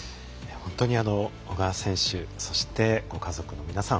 本当に小川選手そして、ご家族の皆さん